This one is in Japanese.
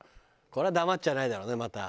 これは黙っちゃいないだろうねまた。